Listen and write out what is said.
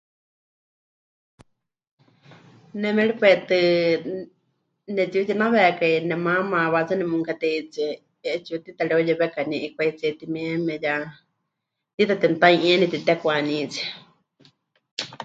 Ne méripai tɨ nepɨtiutínawekai nemaama wahetsɨa nemukateitsie, 'eetsiwa tiita mɨreuyewekaní 'ikwaitsíe timieme ya tiita temɨte'anu'ieni temɨtekwanítsie.